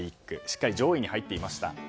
しっかり上位に入っていました。